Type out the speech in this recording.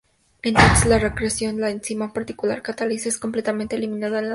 Entonces, la reacción que la enzima particular cataliza es completamente eliminada del análisis.